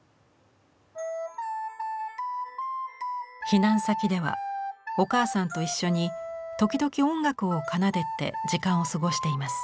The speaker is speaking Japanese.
避難先ではお母さんと一緒に時々音楽を奏でて時間を過ごしています。